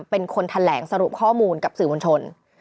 เป็นคนแถลงสรุปข้อมูลกับสื่อมวลชน